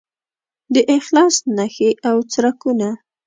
د اخلاص نښې او څرکونه